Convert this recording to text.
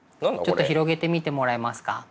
ちょっと広げてみてもらえますか。